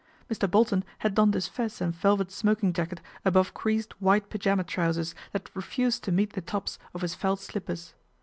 Mr. Bolton had donned his fez and velvet smoking jacket above creased white pyjama trousers that refused to meet the tops of his felt slippers.